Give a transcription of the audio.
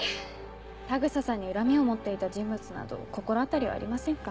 田草さんに恨みを持っていた人物など心当たりはありませんか？